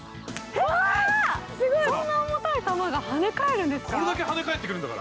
こんな重たい球が跳ね返るんですか？！